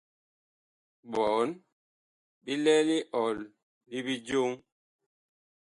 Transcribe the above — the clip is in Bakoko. Bɔɔn bi lɛ liɔl li bijoŋ.